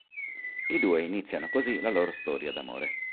I due iniziano così la loro storia d'amore.